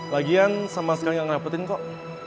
lagian sama sekali gak ngerepotin kok